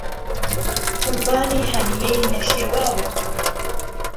قوربانی ههنیهی نهشيواوت بم